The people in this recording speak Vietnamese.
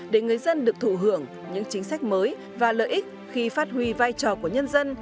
để người dân được thụ hưởng những chính sách mới và lợi ích khi phát huy vai trò của nhân dân